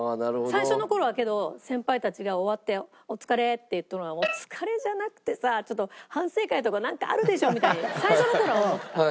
最初の頃はけど先輩たちが終わって「お疲れ」って言ってるのをお疲れじゃなくてさ反省会とかなんかあるでしょみたいに最初の頃は思ってた。